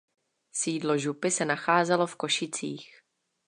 Sídlo župy se nacházelo v Košicích.